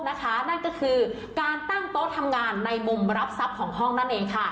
นั่นก็คือการตั้งโต๊ะทำงานในมุมรับทรัพย์ของห้องนั่นเองค่ะ